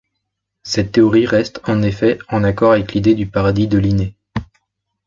Cette théorie reste, en effet, en accord avec l’idée du Paradis de Linné.